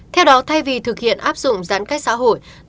theo đó thay vì thực hiện áp dụng giãn cách xã hội